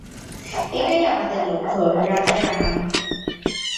এটাই আমাদের লক্ষ্য, রাজারামন।